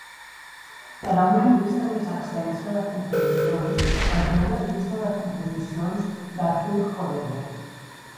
Per a una llista més extensa de composicions, vegeu la llista de composicions d'Arthur Honegger.